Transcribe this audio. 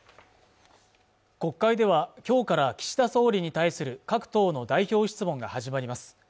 国会では今日から岸田総理に対する各党の代表質問が始まります